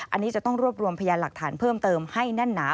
อันนี้จะต้องรวบรวมพยานหลักฐานเพิ่มเติมให้แน่นหนา